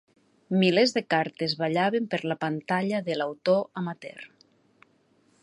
Milers de cartes ballaven per la pantalla de l'autor amateur.